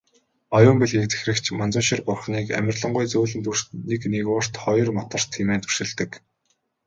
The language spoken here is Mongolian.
Оюун билгийг захирагч Манзушир бурхныг "амарлингуй зөөлөн дүрт, нэг нигуурт, хоёрт мутарт" хэмээн дүрсэлдэг.